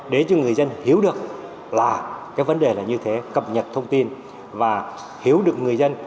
để cho người dân hiểu được là cái vấn đề là như thế cập nhật thông tin và hiểu được người dân